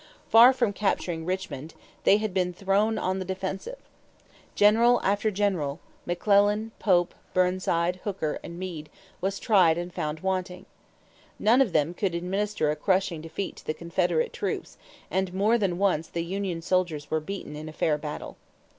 Far from capturing Richmond, they had been thrown on the defensive. General after general McClellan, Pope, Burnside, Hooker, and Meade was tried and found wanting. None of them could administer a crushing defeat to the Confederate troops and more than once the union soldiers were beaten in a fair battle.